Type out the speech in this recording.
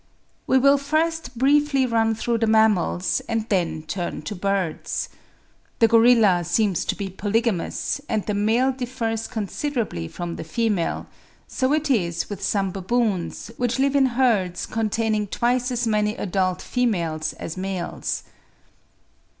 We will first briefly run through the mammals, and then turn to birds. The gorilla seems to be polygamous, and the male differs considerably from the female; so it is with some baboons, which live in herds containing twice as many adult females as males.